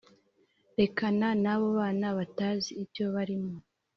Rekana nabo bana batazi ibyo barimo